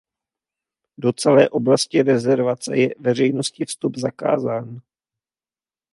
Do celé oblasti rezervace je veřejnosti vstup zakázán.